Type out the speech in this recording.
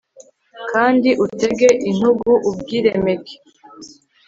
kandi utege intugu ubwiremeke